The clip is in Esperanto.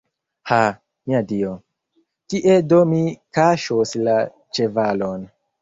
Ha, mia Dio, kie do mi kaŝos la ĉevalon.